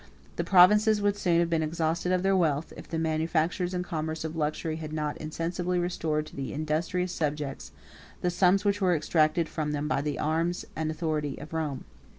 The provinces would soon have been exhausted of their wealth, if the manufactures and commerce of luxury had not insensibly restored to the industrious subjects the sums which were exacted from them by the arms and authority of Rome.